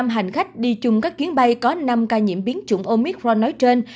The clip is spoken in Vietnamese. ba trăm linh năm hành khách đi chung các chuyến bay có năm ca nhiễm biến chủng omicron nói trên